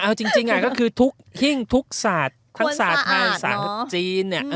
เอาจริงก็คือทุกหิ้งทุกศาสตร์ทั้งศาสตร์ไทยศาสตร์จีน